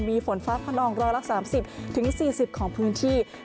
มีฝนฟ้าพนองร้อยละ๓๐๔๐ของพื้นที่